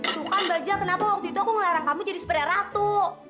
tuh kan baja kenapa waktu itu aku ngelarang kamu jadi supaya ratu